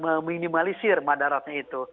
meminimalisir madaratnya itu